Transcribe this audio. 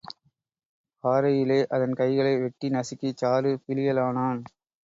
பாறையிலே அதன் கைகளை வெட்டி நசுக்கிச் சாறு பிழியலானான்.